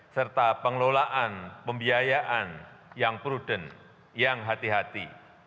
serta pengelolaan pembiayaan yang prudent yang hati hati